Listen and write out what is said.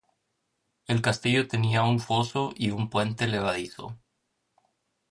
El castillo tenía un foso y un puente levadizo.